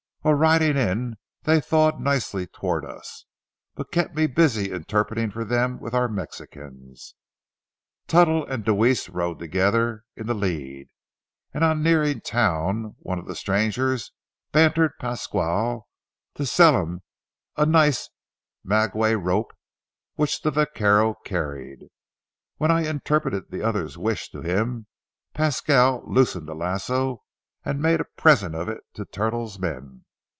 While riding in, they thawed nicely towards us, but kept me busy interpreting for them with our Mexicans. Tuttle and Deweese rode together in the lead, and on nearing town one of the strangers bantered Pasquale to sell him a nice maguey rope which the vaquero carried. When I interpreted the other's wish to him, Pasquale loosened the lasso and made a present of it to Tuttle's man.